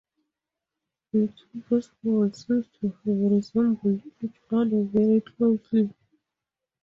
The two festivals seem to have resembled each other very closely.